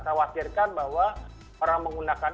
khawatirkan bahwa orang menggunakan